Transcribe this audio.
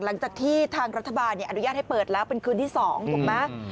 หลังจากที่ทางรัฐบาลอนุญาตให้เปิดแล้วเป็นคืนที่๒ถูกไหม